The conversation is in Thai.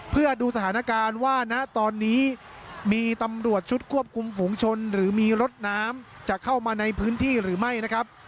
เพื่อดูสถานการณ์ว่าณตอนนี้มีตำรวจชุดควบคุมฝูงชนหรือมีรถน้ำจะเข้ามาในพื้นที่หรือไม่นะครับ